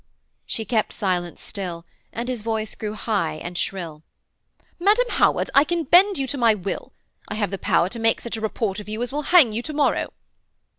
She kept silence still, and his voice grew high and shrill: 'Madam Howard, I can bend you to my will. I have the power to make such a report of you as will hang you to morrow.'